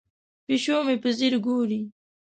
پیشو مې په ځیر ګوري.